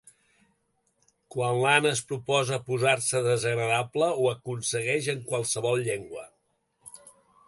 Quan l'Anna es proposa posar-se desagradable ho aconsegueix en qualsevol llengua.